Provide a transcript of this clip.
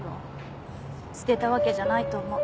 捨てたわけじゃないと思う。